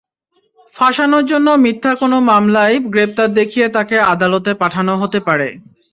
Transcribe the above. ফাঁসানোর জন্য মিথ্যা কোনো মামলায় গ্রেপ্তার দেখিয়ে তাঁকে আদালতে পাঠানো হতে পারে।